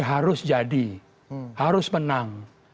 harus jadi harus menang